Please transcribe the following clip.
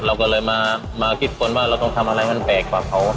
เราก็เลยมาคิดคนว่าเราต้องทำอะไรมันแปลกกว่าเขา